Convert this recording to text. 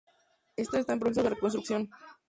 Está en proceso de reconstrucción.